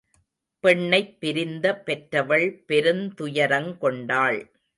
பெண்ணைப் பிரிந்த பெற்றவள் பெருந் துயரங்கொண்டாள்.